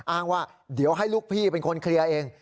อ้างว่าเดี๋ยวให้ลูกพี่เป็นคนเคลียร์เอง